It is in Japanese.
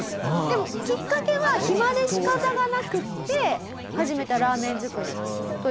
でもきっかけは暇で仕方がなくって始めたラーメン作りという事なんですけれども。